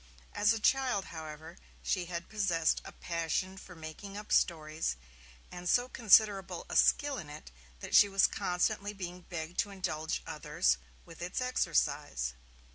As a child, however, she had possessed a passion for making up stories, and so considerable a skill in it that she was constantly being begged to indulge others with its exercise.